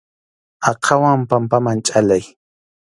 Aqhawan pampaman chʼallay.